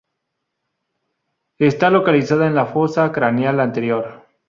Está localizada en la fosa craneal anterior.